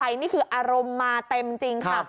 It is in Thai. อารมณ์มาเต็มจริงค่ะ